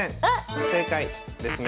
不正解ですね。